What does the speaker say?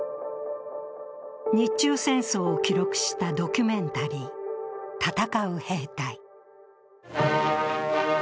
日中戦争を記録したドキュメンタリー「戦ふ兵隊」。